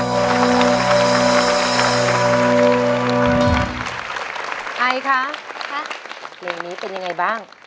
วันนี้เป็นยังไงบ้าง